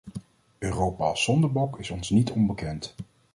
Europa als zondebok is ons niet onbekend.